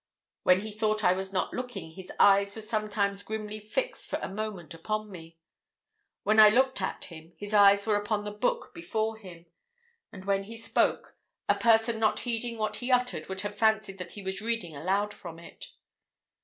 When he thought I was not looking, his eyes were sometimes grimly fixed for a moment upon me. When I looked at him, his eyes were upon the book before him; and when he spoke, a person not heeding what he uttered would have fancied that he was reading aloud from it.